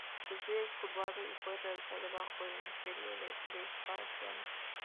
Su perfil es curvado y fue realizado bajo el imperio de Vespasiano.